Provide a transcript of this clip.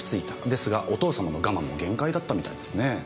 ですがお父様の我慢も限界だったみたいですねぇ。